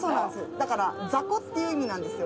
だから雑魚っていう意味なんですよ